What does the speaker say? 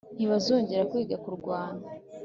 ntibazongera kwiga kurwana